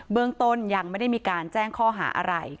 เรื่องต้นยังไม่ได้มีการแจ้งข้อหาอะไร